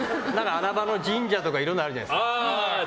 穴場の神社とかいろんなのあるじゃないですか。